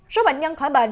số bệnh nhân khỏi bệnh